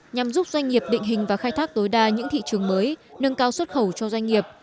nhằm giúp doanh nghiệp định hình và khai thác tối đa những thị trường mới nâng cao xuất khẩu cho doanh nghiệp